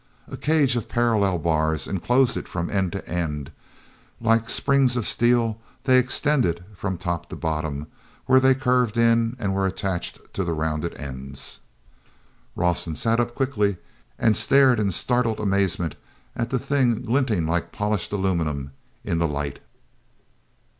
A cage of parallel bars enclosed it from end to end; like springs of steel they extended from top to bottom where they curved in and were attached to the rounded ends. awson sat up quickly and stared in startled amazement at the thing glinting like polished aluminum in the light.